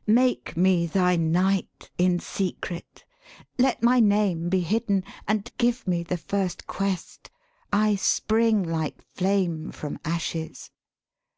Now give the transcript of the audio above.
' Make me thy knight in secret! let my name Be hidd'n, and give me the first quest, I spring Like flame from ashes.'